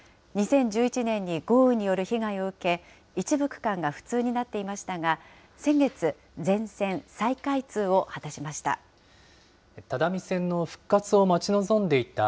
２０１１年に豪雨による被害を受け、一部区間が不通になっていましたが、先月、全線再開通を果たしました。